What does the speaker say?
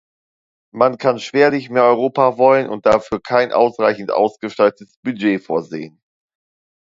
Man kann schwerlich mehr Europa wollen und dafür kein ausreichend ausgestattetes Budget vorsehen.